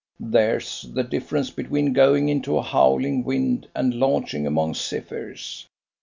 There's the difference between going into a howling wind and launching among zephyrs.